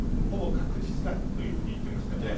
ほぼ確実だというふうに言っていましたよね。